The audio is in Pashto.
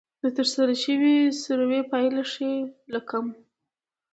د ترسره شوې سروې پایلې ښيي چې له کم